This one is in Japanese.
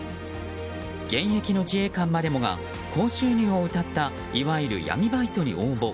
現役の自衛官までもが高収入をうたったいわゆる闇バイトに応募。